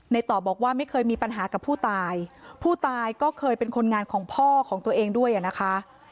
ต่อบอกว่าไม่เคยมีปัญหากับผู้ตายผู้ตายก็เคยเป็นคนงานของพ่อของตัวเองด้วยอ่ะนะคะ